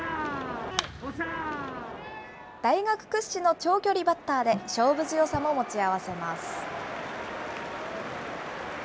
大学屈指の長距離バッターで、勝負強さも持ち合わせます。